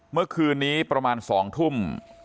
เมื่อคืนนี้ประมาณ๒ทุ่ม